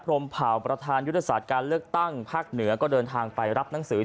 มเผ่าประธานยุทธศาสตร์การเลือกตั้งภาคเหนือก็เดินทางไปรับหนังสือ